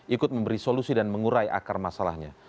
ikut memberi solusi dan mengurai akar masalahnya